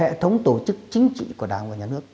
và đổi mới hệ thống tổ chức chính trị của đảng và nhà nước